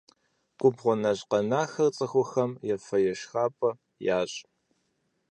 Губгъуэ нэщӏ къэнахэр цӏыхухэм ефэ-ешхапӏэ ящӏ.